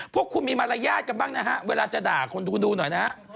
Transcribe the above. พวกคุณมีมารยาทกันบ้างนะฮะเวลาจะด่าคนดูดูหน่อยนะฮะ